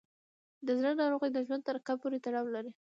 د زړه ناروغۍ د ژوند طریقه پورې تړاو لري.